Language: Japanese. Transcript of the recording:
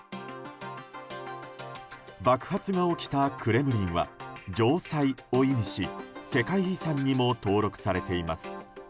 爆発が起きたクレムリンは城塞を意味し世界遺産にも登録されています。